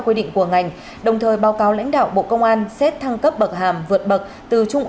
quy định của ngành đồng thời báo cáo lãnh đạo bộ công an xét thăng cấp bậc hàm vượt bậc từ trung